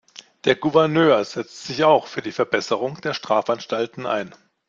Der Gouverneur setzte sich auch für die Verbesserungen der Strafanstalten ein.